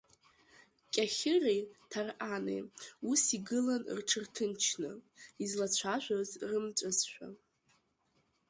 Кьахьыри Ҭарҟани ус игылан рҽырҭынчны, излацәажәоз рымҵәазшәа.